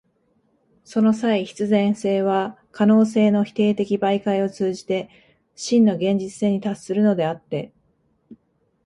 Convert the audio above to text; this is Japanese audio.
その際、必然性は可能性の否定的媒介を通じて真の現実性に達するのであって、